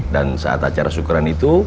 dan saat acara syukuran itu